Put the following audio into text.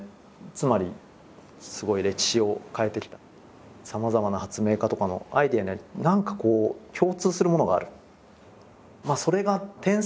つまりすごい歴史を変えてきたさまざまな発明家とかのアイデアには何かこう共通するものがある。